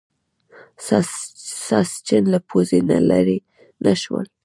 ساسچن له پوزې نه لرې نه شول.